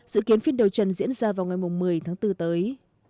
dự kiến phiên điều trần diễn ra vào ngày một mươi tháng bốn tới